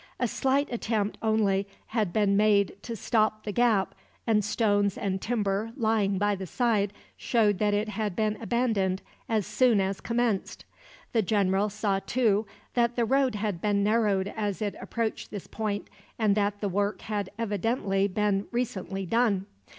A slight attempt, only, had been made to stop the gap; and stones and timber, lying by the side, showed that it had been abandoned as soon as commenced. The general saw, too, that the road had been narrowed as it approached this point, and that the work had evidently been recently done.